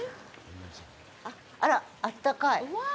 あら、あったかい。